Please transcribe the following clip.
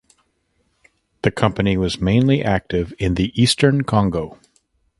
The company was mainly active in the eastern Congo.